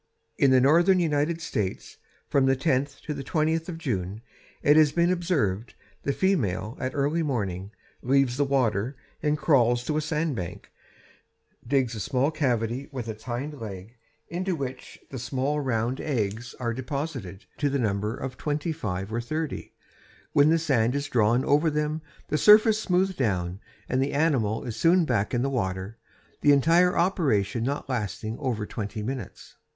In the northern United States, from the tenth to the twentieth of June, it has been observed, the female, at early morning, leaves the water and crawls to a sandbank, digs a small cavity with its hind leg, into which the small, round eggs are deposited to the number of twenty five or thirty, when the sand is drawn over them, the surface smoothed down, and the animal is soon back in the water, the entire operation not lasting over twenty minutes.